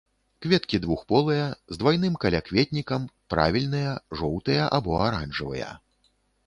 Кветкі двухполыя, з двайным калякветнікам, правільныя, жоўтыя або аранжавыя.